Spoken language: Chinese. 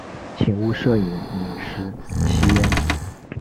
请勿摄影、饮食、吸烟